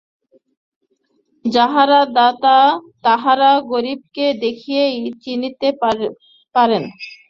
যাঁহারা দাতা তাঁহারা গরিবকে দেখিলেই চিনিতে পারেন।